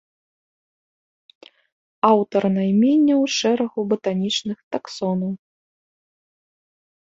Аўтар найменняў шэрагу батанічных таксонаў.